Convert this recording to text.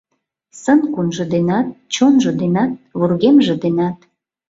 Сын-кунжо денат, чонжо денат, вургемже денат.